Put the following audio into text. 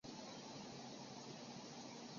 这些概念在不同的文化领域都能够被了解。